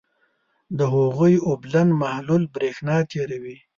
د هغوي اوبلن محلول برېښنا تیروي.